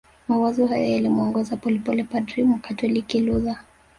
Mawazo hayo yalimuongoza polepole padri mkatoliki Luther